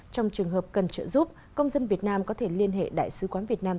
trong trường hợp cần trợ giúp công dân việt nam có thể liên hệ đại sứ quán việt nam